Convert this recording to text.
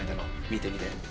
見てみて。